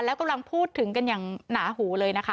แล้วกำลังพูดถึงกันอย่างหนาหูเลยนะคะ